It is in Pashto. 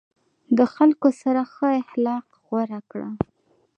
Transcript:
د خلکو سره ښه اخلاق غوره کړه.